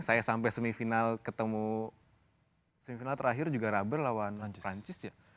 saya sampai semifinal ketemu semifinal terakhir juga rubber lawan perancis ya